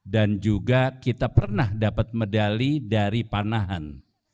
dan juga kita pernah dapat medali dari panahan